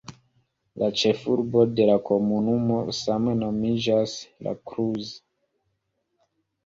La ĉefurbo de la komunumo same nomiĝas "La Cruz".